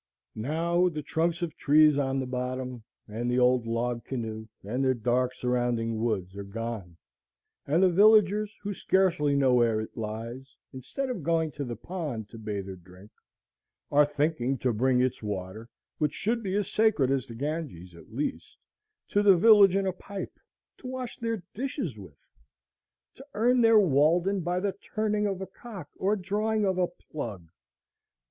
Now the trunks of trees on the bottom, and the old log canoe, and the dark surrounding woods, are gone, and the villagers, who scarcely know where it lies, instead of going to the pond to bathe or drink, are thinking to bring its water, which should be as sacred as the Ganges at least, to the village in a pipe, to wash their dishes with!—to earn their Walden by the turning of a cock or drawing of a plug!